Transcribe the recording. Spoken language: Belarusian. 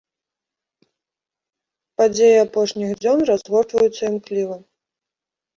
Падзеі апошніх дзён разгортваюцца імкліва.